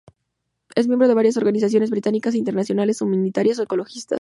Es miembro de varias organizaciones británicas e internacionales humanitarias o ecologistas.